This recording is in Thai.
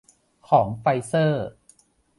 ของไฟเซอร์